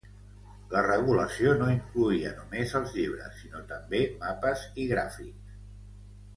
La regulació no incloïa només els llibres, sinó també mapes i gràfics.